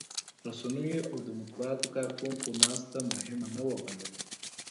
رسنيو او د مطبوعاتو کارکوونکو ناسته مهمه نه وه بللې.